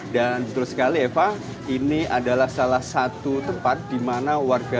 dan betul sekali eva ini adalah salah satu tempat dimana warga jogja memburu atau mencari takjil untuk berbuka puasa